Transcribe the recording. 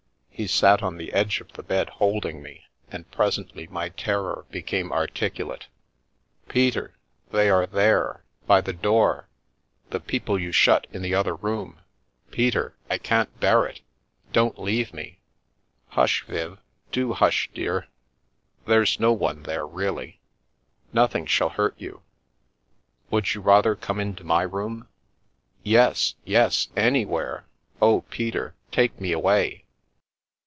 He sat on the edge of the bed holding me, and presently my terror became articulate. " Peter, they are there ! By the door — the people you shut in the other room — Peter, I can't bear it! Don't leave me !"" Hush, Viv ! Do hush, dear. There's no one there, really. Nothing shall hurt you. Would you rather come into my room?" " Yes, yes, anywhere ! Oh, Peter, take me away